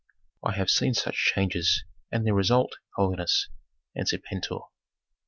"I have seen such changes and their result, holiness," answered Pentuer.